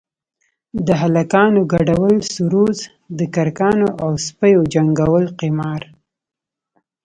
د هلکانو گډول سروذ د کرکانو او سپيو جنگول قمار.